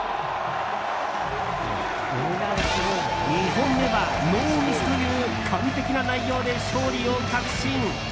２本目はノーミスという完璧な内容で勝利を確信。